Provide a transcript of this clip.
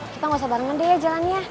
kita gak usah bareng mende ya jalannya